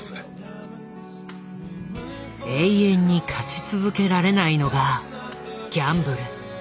永遠に勝ち続けられないのがギャンブル。